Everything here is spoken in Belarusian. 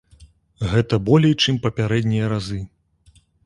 Гэта болей, чым папярэднія разы.